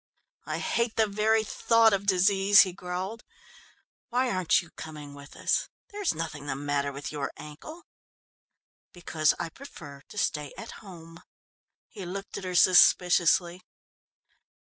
"I hate the very thought of disease," he growled. "Why aren't you coming with us there is nothing the matter with your ankle?" "Because I prefer to stay at home." He looked at her suspiciously.